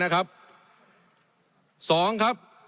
๒ครับ